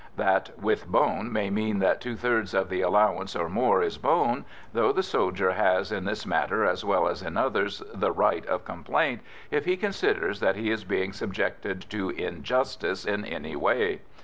That "with bone" may mean that two thirds of the allowance or more is bone, though the soldier has in this matter as well as in others the right of complaint if he considers that he is being subjected to injustice in any way.